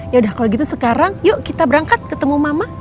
yaudah kalau gitu sekarang yuk kita berangkat ketemu mama